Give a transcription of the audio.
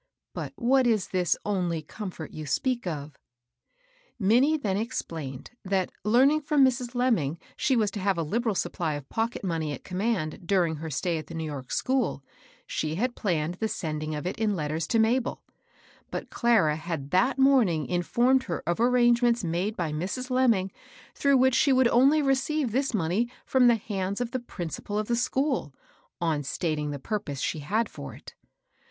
But what was this only comfort you speak of?" Minnie then iexplained that, leammg from Mrs. Lemming she was to have a liberal supply of (121) 122 MABEL ROSS. pocket money at command during her stay at the New York school, she liad planned the sending of it in letters to Mahel ; but Clara had that morning informed her of arrangements made by Mrs. Lem ming through which she would only receive this money from the hands of the principal of thG school, on stating the purpose she had for it.